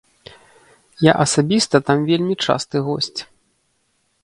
Я асабіста там вельмі часты госць.